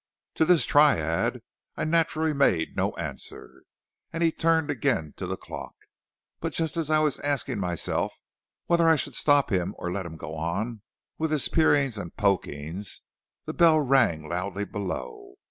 "To this tirade I naturally made no answer, and he turned again to the clock. But just as I was asking myself whether I should stop him or let him go on with his peerings and pokings, the bell rang loudly below.